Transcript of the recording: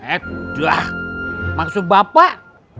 eh dah maksud bapak